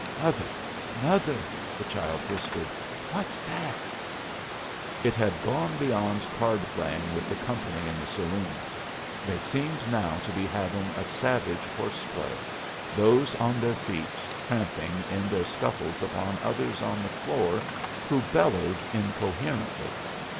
"Mother, mother," the child whispered, "what's that?" It had gone beyond card playing with the company in the saloon; they seemed now to be having a savage horse play, those on their feet tramping in their scuffles upon others on the floor, who bellowed incoherently.